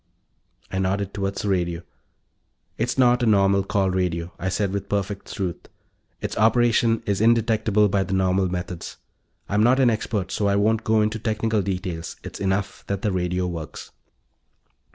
I nodded toward the radio. "It's not a normal call radio," I said, with perfect truth. "Its operation is indetectable by the normal methods. I'm not an expert, so I won't go into technical details; it's enough that the radio works."